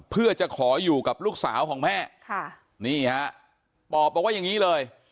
เพื่อจะขออยู่กับลูกสาวของแม่ค่ะนี่ฮะปอบบอกว่าอย่างนี้เลย